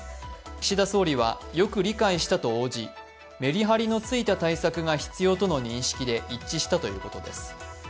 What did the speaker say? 岸田総理はよく理解したと応じめりはりのついた対策が必要との認識で一致したということです。